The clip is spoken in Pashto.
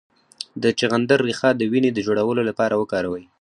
د چغندر ریښه د وینې د جوړولو لپاره وکاروئ